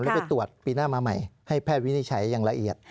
แล้วไปตรวจปีหน้ามาใหม่ให้แพทย์วินิจฉัยอย่างละเอียด